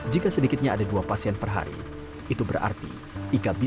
jika sedikitnya ada dua pasien per hari itu berarti ika bisa mandi empat sampai lima kali sehari